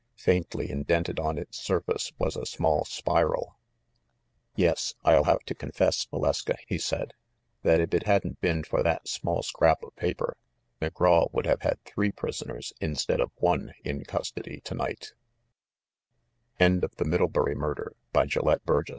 Faintly indented on its surface was a small spiral. "Yes, I'll have to confess, Valeska," he said, "that, if it hadn't been for that small scrap of paper, Mc Graw would have had three prisoners instead of one in custody to night I" VENGEANCE OF THE PI R